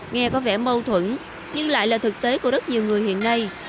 nghe có vẻ mâu thuẫn nhưng lại là thực tế của rất nhiều người hiện nay